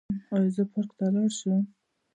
ایا زه پارک ته لاړ شم؟